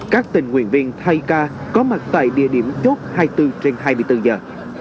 các tình nguyện viên thai ca có mặt tại địa điểm chốt hai mươi bốn trên hai mươi bốn giờ